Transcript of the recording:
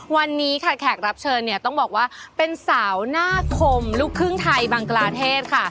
วันนี้ค่ะแขกรับเชิญเนี่ยต้องบอกว่าเป็นสาวหน้าคมลูกครึ่งไทยบังกลาเทศค่ะ